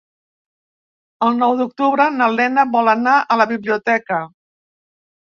El nou d'octubre na Lena vol anar a la biblioteca.